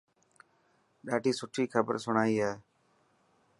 ڏاڌي سٺي کبر سڻائي هي.